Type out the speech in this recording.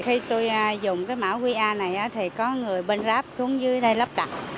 khi tôi dùng cái mảo qr này thì có người bên grab xuống dưới đây lắp đặt